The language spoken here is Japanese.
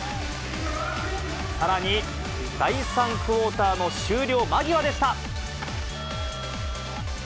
さらに、第３クオーターの終了間際でした。